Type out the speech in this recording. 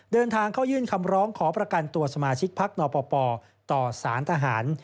เดินทางเข้ายื่นคำร้องขอประกันตัวสมาชิกพักนปปต่อสารทหาร